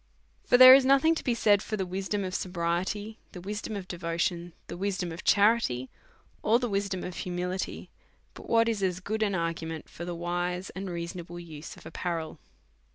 For there is nothing to be said for the wisdom of sobriety, the wisdom of devotion, the wisdom of cha rity, or the wisdom of humility, but what is as good an argument for the wise and reasonable use of apparel.